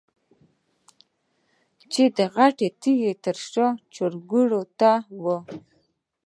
چې د غټې تيږې تر شا چرګوړو ته وه.